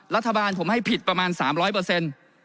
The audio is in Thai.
รัฐบาลผมให้ผิดประมาณ๓๐๐เปอร์เซ็นต์